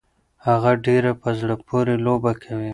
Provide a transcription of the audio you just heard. هغه ډيره په زړه پورې لوبه کوي.